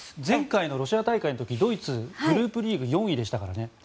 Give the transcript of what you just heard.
前回のロシア大会の時ドイツ、グループリーグ４位でしたからね。